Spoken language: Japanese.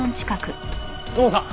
土門さん！